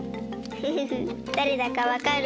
フフフだれだかわかる？